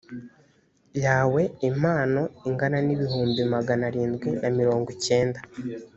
yawe impano ingana n ibihumbi magana arindwi na mirongo cyenda